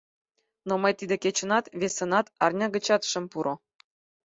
Но мый тиде кечынат, весынат, арня гычат шым пуро.